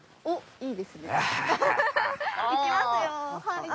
あっいいですね。